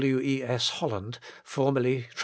W. E. S. Hol land, formerly Trav.